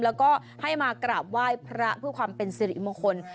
แล้วก็ให้มากราบไหว้พระเพื่อความเป็นสิริมงคล